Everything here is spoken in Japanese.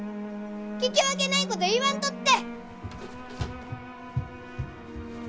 聞き分けないこと言わんとって！